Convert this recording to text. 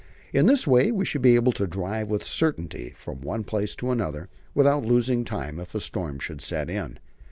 In this way we should be able to drive with certainty from one place to another without losing time if a storm should set in.